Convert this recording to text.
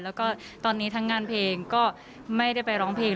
แล้วก็ตอนนี้ทั้งงานเพลงก็ไม่ได้ไปร้องเพลง